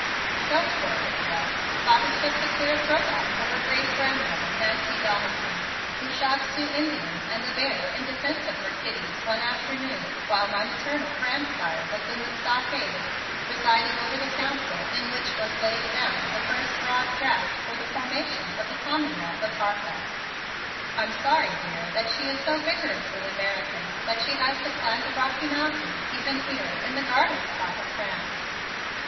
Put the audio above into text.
"Don't worry, Celeste; Bob is just a clear throw back to her great grandmother, Nancy Donaldson, who shot two Indians and a bear in defense of her kiddies one afternoon while my maternal grandsire was in the stockades presiding over the council in which was laid down the first broad draft for the formation of the Commonwealth of Harpeth. I'm sorry, dear, that she is so vigorously American that she has to climb the Rocky Mountains even here in the garden spot of France.